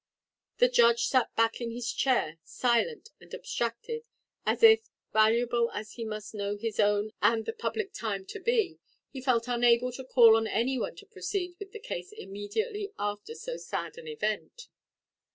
The judge sat back in his chair, silent and abstracted, as if, valuable as he must know his own and the public time to be, he felt unable to call on any one to proceed with the case immediately after so sad an event.